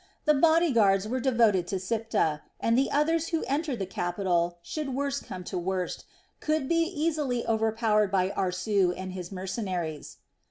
The body guards were devoted to Siptah, and the others who entered the capital, should worst come to worst, could be easily overpowered by Aarsu and his mercenaries.